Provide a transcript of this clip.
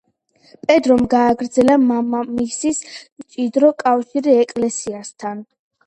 პედრომ გააგრძელა მამამისის მჭიდრო კავშირი ეკლესიასთან.